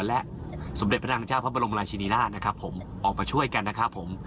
และสมเด็จพระนางเจ้าพระบรมราชินีราชนะครับผมออกมาช่วยกันนะครับผม